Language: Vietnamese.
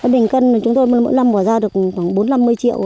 bình cân chúng tôi mỗi năm bỏ ra được khoảng bốn năm mươi triệu